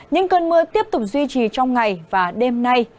những cơn mưa tiếp tục duy trì trong ngày và đêm nay